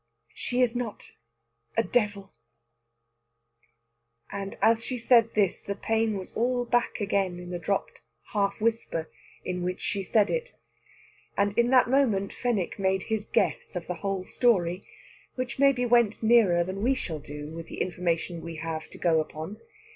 "She is not a devil." And as she said this the pain was all back again in the dropped half whisper in which she said it. And in that moment Fenwick made his guess of the whole story, which maybe went nearer than we shall do with the information we have to go upon.